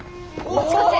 こっちこっち！